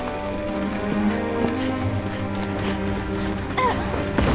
あっ